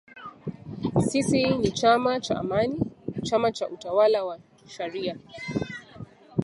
“Sisi ni chama cha Amani, chama cha utawala wa sharia.